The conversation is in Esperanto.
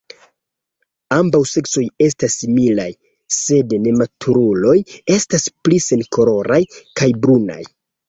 Ambaŭ seksoj estas similaj, sed nematuruloj estas pli senkoloraj kaj brunaj.